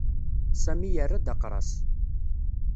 Sami yerra-d aqras.